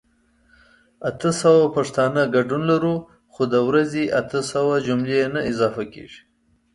اته سوه پښتانه ګډون لرو خو دا ورځې اته سوه جملي نه اضافه کيږي